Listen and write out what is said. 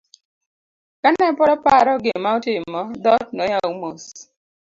kane pod oparo gima otimo, dhot noyaw mos